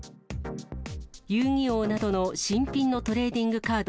遊戯王などの新品のトレーディングカード